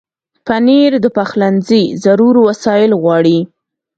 پنېر د پخلنځي ضرور وسایل غواړي.